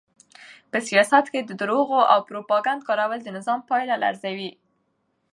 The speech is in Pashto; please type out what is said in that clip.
په سیاست کې د درواغو او پروپاګند کارول د نظام پایه لړزوي.